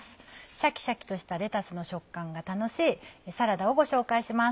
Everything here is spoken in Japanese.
シャキシャキとしたレタスの食感が楽しいサラダをご紹介します。